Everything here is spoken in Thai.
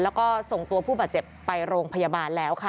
แล้วก็ส่งตัวผู้บาดเจ็บไปโรงพยาบาลแล้วค่ะ